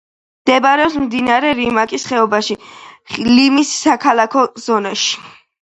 მდებარეობს მდინარე რიმაკის ხეობაში, ლიმის საქალაქო ზონაში.